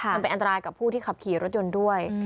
มันเป็นอันตรายกับผู้ที่ขับขี่รถยนต์ด้วย